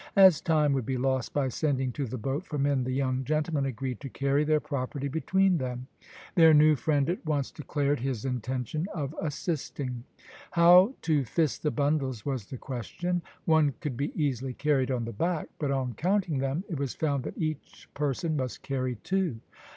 As time would be lost by sending to the boat for men the young gentlemen agreed to carry their property between them. Their new friend at once declared his intention of assisting. How to fist the bundles was the question. One could be easily carried on the back; but on counting them it was found that each person must carry two.